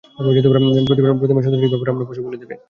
প্রতিমার সন্তুষ্টির আশার পশু বলি দিবে।